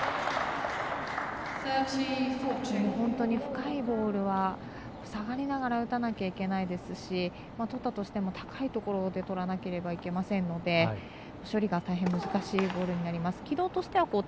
本当に深いボールは下がりながら打たないといけないですし取ったとしても高いところで取らなきゃいけませんので処理が大変難しいボールになります。